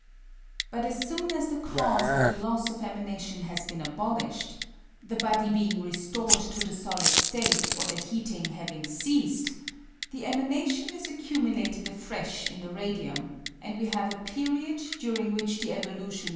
But as soon as the cause of the loss of emanation has been abolished (the body being restored to the solid state or the heating having ceased), the emanation is accumulated afresh in the radium and we have a period during which the evolution.